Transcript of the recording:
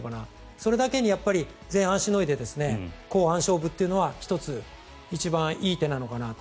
それだけに、前半しのいで後半勝負というのは１つ、一番いい手なのかなと。